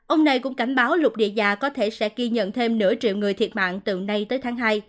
ông này cũng cảnh báo lục địa già có thể sẽ ghi nhận thêm nửa triệu người thiệt mạng từ nay tới tháng hai